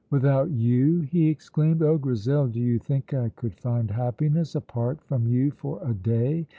"Without you!" he exclaimed. "Oh, Grizel, do you think I could find happiness apart from you for a day?